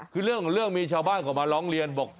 คือเรื่องมีชาวบ้านเขามาร้องเรียนบอก